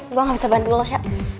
gue gak bisa bantu lo chea